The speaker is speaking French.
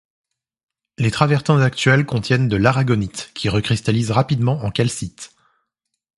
Les travertins actuels contiennent de l'aragonite qui recristallise rapidement en calcite.